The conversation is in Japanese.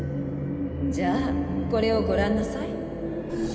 じゃあこれをご覧なさい。